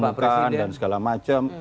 dipertemukan dan segala macam